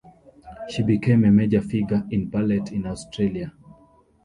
She became a major figure in ballet in Australia.